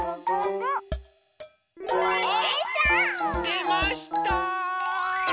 でました！